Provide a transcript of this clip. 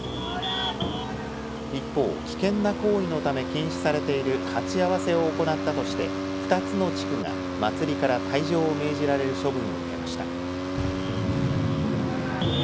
一方、危険な行為のため禁止されている鉢合わせを行ったとして２つの地区が祭りから退場を命じられる処分を受けました。